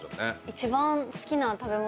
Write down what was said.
一番好きな食べ物。